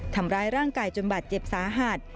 ทำร้ายร่างกายจนบาดเจ็บสาหัส